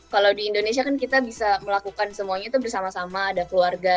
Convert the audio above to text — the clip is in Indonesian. kalau di indonesia kan kita bisa melakukan semuanya itu bersama sama ada keluarga